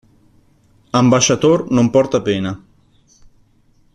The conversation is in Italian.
Ambasciator non porta pena.